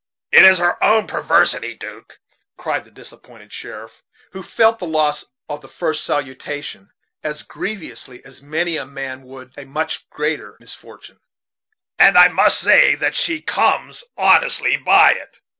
"It is her own perversity, 'Duke," cried the disappointed sheriff, who felt the loss of the first salutation as grievously as many a man would a much greater misfortune; "and I must say that she comes honestly by it.